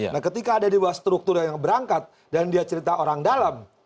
nah ketika ada dewa struktur yang berangkat dan dia cerita orang dalam